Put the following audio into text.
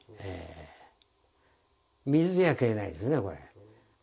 水じゃ消えないですねこれ。